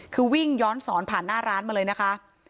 คือวิ่งย้อนสอนผ่านหน้าร้านมาเลยนะคะ